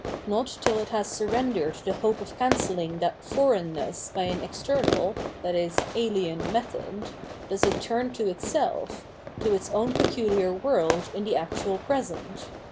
Not till it has surrendered the hope of cancelhng that foreignness by an external, i.e. ahen method, does it turn to itself, to its own pecuhar world in the actual present.